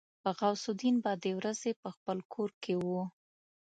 غوث الدين به د ورځې په خپل کور کې و.